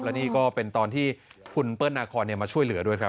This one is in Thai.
และนี่ก็เป็นตอนที่คุณเปิ้ลนาคอนมาช่วยเหลือด้วยครับ